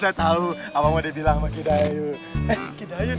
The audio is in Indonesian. saya tahu apa mau dibilang sama kita